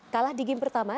kalah di game pertama